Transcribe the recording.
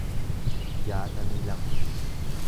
jaatamii lama